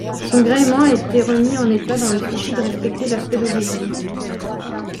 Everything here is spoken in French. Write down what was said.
Son gréement a été remis en état dans le souci de respecter l'aspect d'origine.